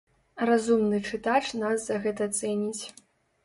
Разумны чытач нас за гэта цэніць.